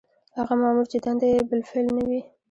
هغه مامور چې دنده یې بالفعل نه وي.